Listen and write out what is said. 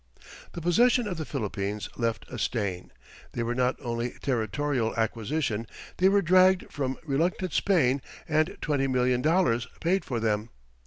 The possession of the Philippines left a stain. They were not only territorial acquisition; they were dragged from reluctant Spain and twenty million dollars paid for them.